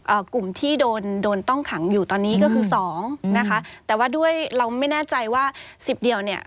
กลุ่มที่โดนโดนต้องขังอยู่ตอนนี้ก็คือสองนะคะแต่ว่าด้วยเราไม่แน่ใจว่าสิบเดียวเนี่ย